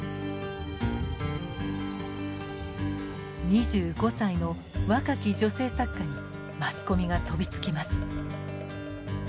２５歳の若き女性作家にマスコミが飛びつきます。